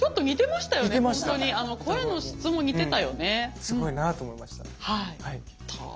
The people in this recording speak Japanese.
すごいなと思いました。